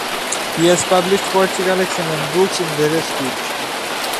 He has published poetry collections and books in various fields.